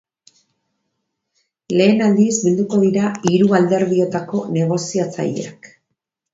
Lehen aldiz bilduko dira hiru alderdiotako negoziatzaileak.